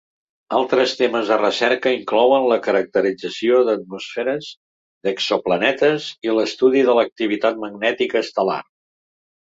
Altres temes de recerca inclouen la caracterització d'atmosferes d'exoplanetes i l'estudi de l'activitat magnètica estel·lar.